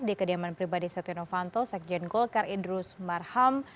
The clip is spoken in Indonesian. di kediaman pribadi satuinovanto sekjen golkar idrus marham